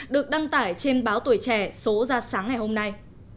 được đăng tải trên báo tuổi trẻ số ra sáng ngày hôm nay